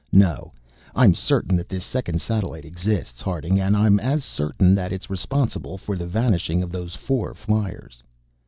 No, I'm certain that this second satellite exists, Harding, and I'm as certain that it's responsible for the vanishing of those four fliers."